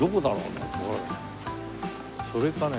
それかね？